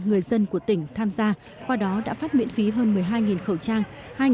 người dân của tỉnh tham gia qua đó đã phát miễn phí hơn một mươi hai khẩu trang